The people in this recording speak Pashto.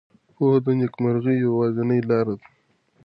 پوهه د نېکمرغۍ یوازینۍ لاره ده.